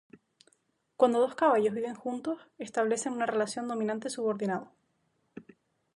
Cuando dos caballos viven juntos, establecen una relación dominante-subordinado.